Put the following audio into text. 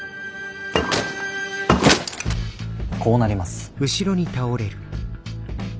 こうなります。